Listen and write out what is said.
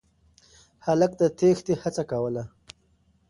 هلک د تېښتې هڅه کوله.